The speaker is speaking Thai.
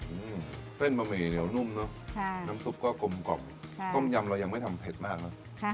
อืมเส้นบะหมี่เหนียวนุ่มเนอะน้ำซุปก็กลมกล่อมต้มยำเรายังไม่ทำเผ็ดมากเนอะ